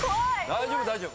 大丈夫大丈夫。